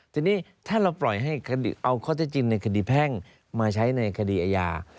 ทีนี้ถ้าเราปล่อยให้เอาข้อเท็จจริงในคดีแพ่งมาใช้ในคดีอาญา